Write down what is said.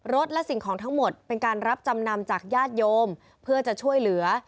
และสิ่งของทั้งหมดเป็นการรับจำนำจากญาติโยมเพื่อจะช่วยเหลือ